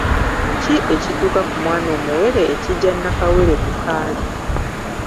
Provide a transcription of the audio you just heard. Kiki ekituuka ku mwana omuwere ekijja Nakawere ku kaali?